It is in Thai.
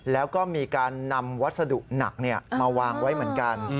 แล้วก็มีการนำวัสดุหนักมาวางไว้เหมือนกัน